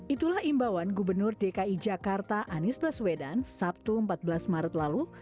itulah imbauan gubernur dki jakarta anies baswedan sabtu empat belas maret lalu